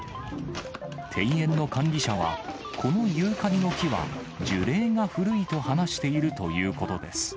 庭園の管理者は、このユーカリの木は樹齢が古いと話しているということです。